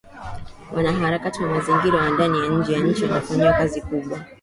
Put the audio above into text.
Wanaharakati wa Mazingira wa ndani na nje ya nchi wanafanya kazi kubwa